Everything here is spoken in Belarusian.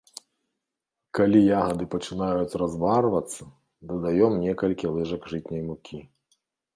Калі ягады пачынаюць разварвацца, дадаём некалькі лыжак жытняй мукі.